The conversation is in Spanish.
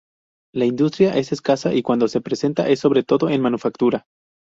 La industria es escasa y cuando se presenta es sobre todo en manufactura.